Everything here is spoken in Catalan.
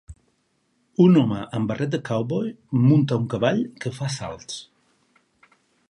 Un home amb barret de cowboy munta un cavall que fa salts.